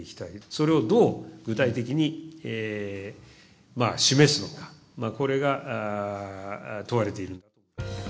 それをどう具体的に示すのか、これが問われている。